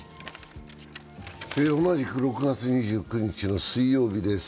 同じく６月２９日の水曜日です